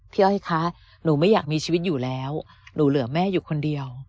อ้อยคะหนูไม่อยากมีชีวิตอยู่แล้วหนูเหลือแม่อยู่คนเดียว